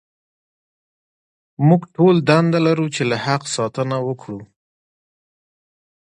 موږ ټول دنده لرو چې له حق ساتنه وکړو.